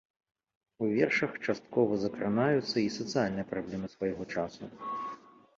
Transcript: У вершах часткова закранаюцца і сацыяльныя праблемы свайго часу.